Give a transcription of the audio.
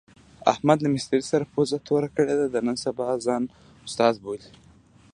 احمد له مستري سره پوزه توره کړې ده، نن سبا ځان استاد بولي.